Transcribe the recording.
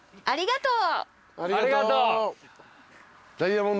ありがとう！